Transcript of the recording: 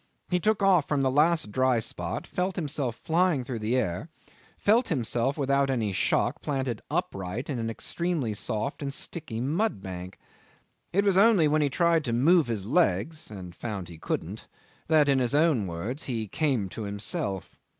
He took off from the last dry spot, felt himself flying through the air, felt himself, without any shock, planted upright in an extremely soft and sticky mudbank. It was only when he tried to move his legs and found he couldn't that, in his own words, "he came to himself."